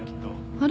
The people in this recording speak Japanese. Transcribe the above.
あれ？